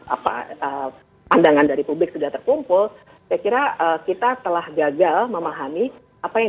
apa pandangan dari publik sudah terkumpul saya kira kita telah gagal memahami apa yang